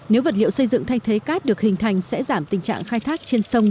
nếu vật liệu xây dựng thay thế cát được hình thành sẽ giảm tình trạng khai thác trên sông